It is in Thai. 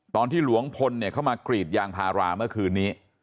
ตอนที่หลวงพลเข้ามากรีดยางพาราเมื่อคืนนี้